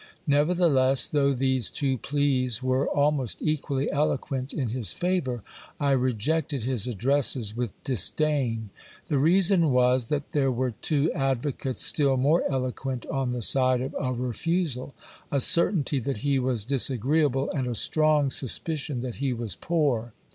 Nevertheless, though these two pleas were almost equally eloquent in his favour, I rejected his addresses with disdain. The reason was, that there were two advocates still more eloquent on the side of a refusal ; a certainty that he was disagreeable, and a strong sus picion that he was poor.